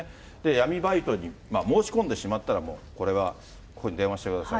闇バイトに申し込んでしまったら、もうこれは、ここに電話してください。